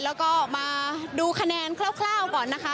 แล้วก็มาดูคะแนนคร่าวก่อนนะคะ